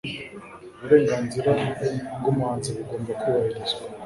Uburenganzira bw'umuhanzi bugomba kubahirizwa.